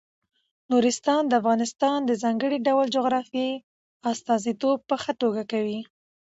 نورستان د افغانستان د ځانګړي ډول جغرافیې استازیتوب په ښه توګه کوي.